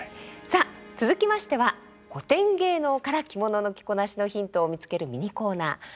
さあ続きましては古典芸能から着物の着こなしのヒントを見つけるミニコーナー